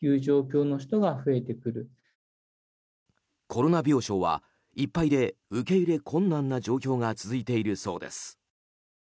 コロナ病床はいっぱいで受け入れ困難な状況が続いているそうです。